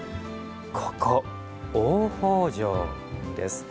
ここ大方丈です。